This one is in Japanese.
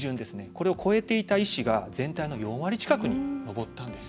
これを超えていた医師が全体の４割近くに上ったんですよね。